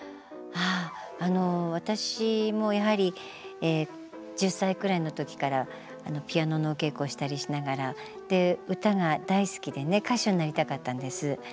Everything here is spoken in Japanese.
私もやはり１０歳くらいの時からピアノのお稽古をしたりしながら歌が大好きでね歌手になりたかったんです。